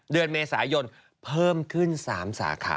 เดือนเมษายนเพิ่มขึ้น๓สาขา